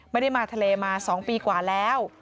ไม่ได้มาทะเลมา๒ปีกว่าแล้ว